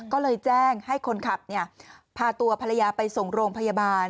ก็เลยแจ้งให้คนขับพาตัวภรรยาไปส่งโรงพยาบาล